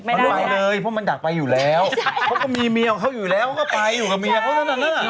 ไปเลยเพราะมันอยากไปอยู่แล้วเค้าก็มีเมียเค้าอยู่แล้วเค้าก็ไปอยู่กับเมียเค้าเท่านั้น